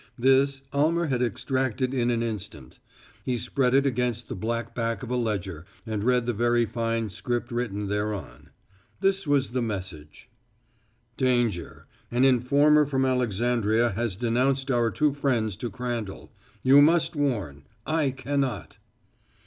This Almer had extracted in an instant. He spread it against the black back of a ledger and read the very fine script written thereon. This was the message: "Danger. An informer from Alexandria has denounced our two friends to Crandall. You must warn; I can not."